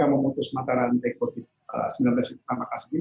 untuk memutus mataran covid sembilan belas di kota makassar ini